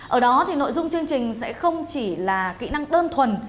ở đó thì nội dung chương trình sẽ không chỉ là kỹ năng đơn thuần